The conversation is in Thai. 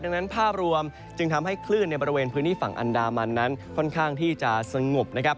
ดังนั้นภาพรวมจึงทำให้คลื่นในบริเวณพื้นที่ฝั่งอันดามันนั้นค่อนข้างที่จะสงบนะครับ